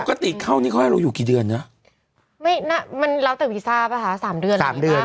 เข้านี่เขาให้เราอยู่กี่เดือนนะไม่น่ามันแล้วแต่วีซ่าป่ะคะสามเดือนสามเดือน